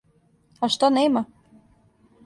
А шта нема?